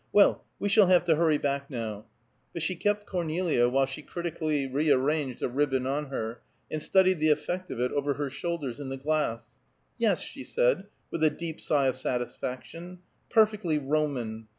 Well, we shall have to hurry back now," but she kept Cornelia while she critically rearranged a ribbon on her, and studied the effect of it over her shoulder in the glass. "Yes," she said, with a deep sigh of satisfaction, "perfectly Roman!